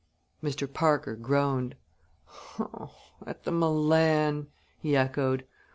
Mr. Parker groaned. "At the Milan!" he echoed.